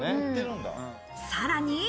さらに。